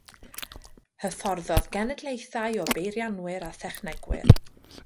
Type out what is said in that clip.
Hyfforddodd genedlaethau o beirianwyr a thechnegwyr.